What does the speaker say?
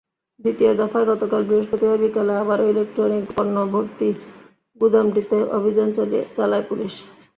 দ্বিতীয় দফায় গতকাল বৃহস্পতিবার বিকেলে আবারও ইলেকট্রনিক পণ্যভর্তি গুদামটিতে অভিযান চালায় পুলিশ।